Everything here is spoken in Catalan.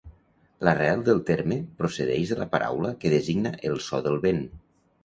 L'arrel del terme procedeix de la paraula que designa el so del vent.